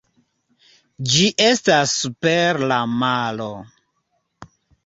Ĝi estas super la maro.